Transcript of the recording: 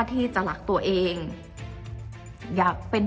จนดิวไม่แน่ใจว่าความรักที่ดิวได้รักมันคืออะไร